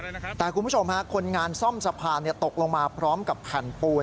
อะไรนะครับแต่คุณผู้ชมฮะคนงานซ่อมสะพานตกลงมาพร้อมกับกับคันปูน